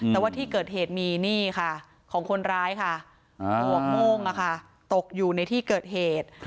แต่ว่าที่เกิดเหตุมีนี่ค่ะของคนร้ายค่ะหมวกโม่งตกอยู่ในที่เกิดเหตุ